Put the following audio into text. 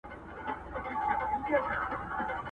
نه مرمۍ نه به توپک وي نه به وېره له مردک وي!